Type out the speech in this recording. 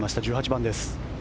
１８番です。